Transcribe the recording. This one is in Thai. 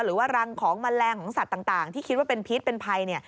หรือว่ารังของแมลงของสัตว์ต่างที่คิดว่าเป็นพิษเป็นภัย